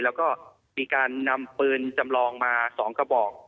แล้วก็มีการนำปืนจำลองมา๒กระบอก